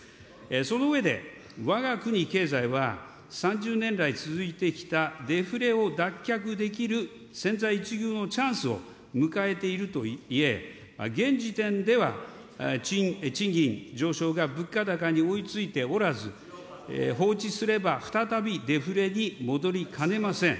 その上で、わが国経済は３０年来続いてきたデフレを脱却できる千載一遇のチャンスを迎えているといえ、現時点では賃金上昇が物価高に追いついておらず、放置すれば、再びデフレに戻りかねません。